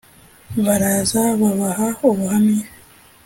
baraza babaha ubuhamya”